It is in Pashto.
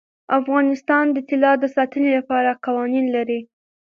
افغانستان د طلا د ساتنې لپاره قوانین لري.